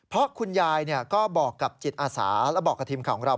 เพราะคุณยายก็บอกกับจิตอาสาแล้วบอกกับทีมข่าวของเรา